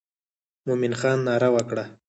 مومن خان ناره وکړه.